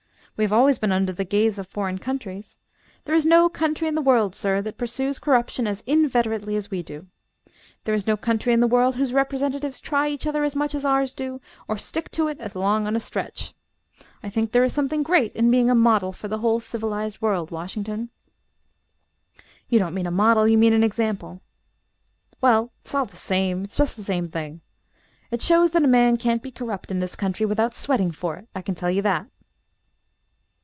We have always been under the gaze of foreign countries. There is no country in the world, sir, that pursues corruption as inveterately as we do. There is no country in the world whose representatives try each other as much as ours do, or stick to it as long on a stretch. I think there is something great in being a model for the whole civilized world, Washington." "You don't mean a model; you mean an example." "Well, it's all the same; it's just the same thing. It shows that a man can't be corrupt in this country without sweating for it, I can tell you that."